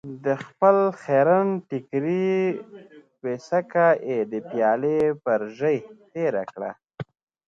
د خپل خيرن ټکري پيڅکه يې د پيالې پر ژۍ تېره کړه.